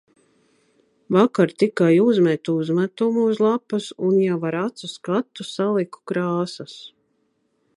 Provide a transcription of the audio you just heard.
Vakar tikai uzmetu uzmetumu uz lapas un jau ar acu skatu saliku krāsas.